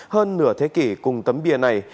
hơn nửa thế kỷ cùng tấm bìa này